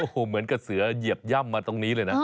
โอ้โหเหมือนกับเสือเหยียบย่ำมาตรงนี้เลยนะ